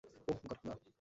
ওহ, god, না।